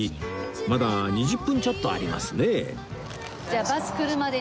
まだ２０分ちょっとありますね